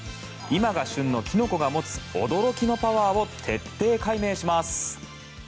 今が旬のキノコが持つ驚きのパワーを徹底解明します。